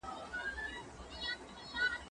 زه اوس لوښي وچوم